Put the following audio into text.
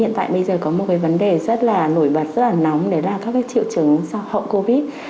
hiện tại bây giờ có một vấn đề rất nổi bật rất nóng để là các triệu chứng sau hậu covid